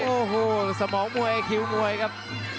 โอ้โหสมองมวยคิวมวยครับ